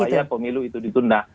supaya pemilu itu ditunda